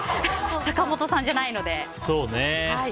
坂本さんじゃないので。